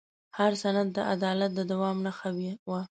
هر سند د عدالت د دوام نښه وه.